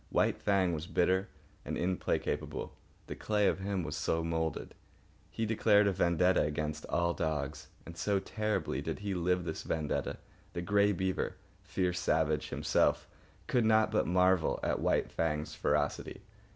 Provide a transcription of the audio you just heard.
White Fang was bitter and implacable. The clay of him was so moulded. He declared a vendetta against all dogs. And so terribly did he live this vendetta that Grey Beaver, fierce savage himself, could not but marvel at White Fang's ferocity.